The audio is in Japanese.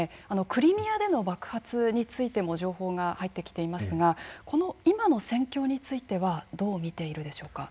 クリミアでの爆発についても情報が入ってきていますがこの今の戦況についてはどう見ているでしょうか？